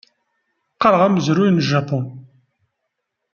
Qqareɣ amezruy n Japun.